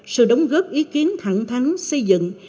sự đóng góp ý kiến thẳng thắng xây dựng